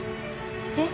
えっ？